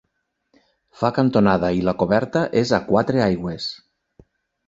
Fa cantonada i la coberta és a quatre aigües.